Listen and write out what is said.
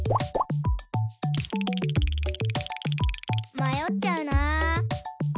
まよっちゃうな。